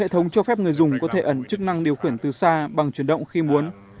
hệ thống cho phép người dùng có thể ẩn chức năng điều khiển từ xa bằng chuyển động khi muốn